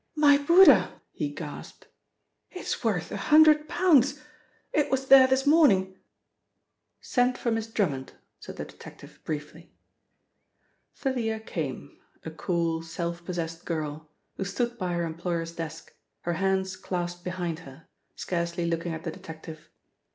"My Buddha!" he gasped. "It is worth a hundred pounds. It was there this morning " "Send for Miss Drummond," said the detective briefly. Thalia came, a cool, self possessed girl, who stood by her employer's desk, her hands clasped behind her, scarcely looking at the detective.